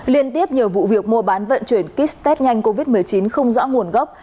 liên tiếp nhiều vụ việc mua bán vận chuyển kích tết nhanh covid một mươi chín không rõ nguồn gốc